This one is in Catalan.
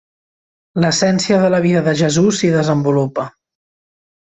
L'essència de la vida de Jesús s'hi desenvolupa.